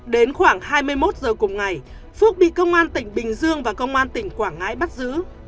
đến khoảng hai mươi một giờ cùng ngày phước bị công an tỉnh bình dương và công an tỉnh quảng ngãi bắt giữ